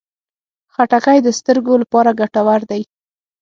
خټکی د سترګو لپاره ګټور دی.